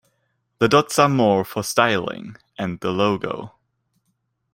The dots are more for styling and the logo.